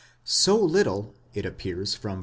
So little, it appears from v.